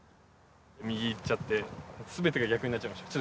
右行っちゃって全てが逆になっちゃいました